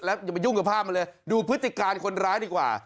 อย่าไปยุ่งกับภาพมันเลยดูพฤติการคนร้ายดีกว่า